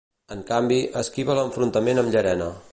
En canvi, esquiva l'enfrontament amb Llarena.